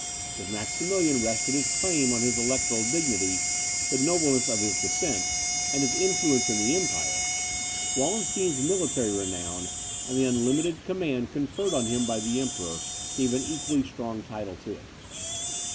If Maximilian rested his claim on his electoral dignity, the nobleness of his descent, and his influence in the empire, Wallenstein's military renown, and the unlimited command conferred on him by the Emperor, gave an equally strong title to it.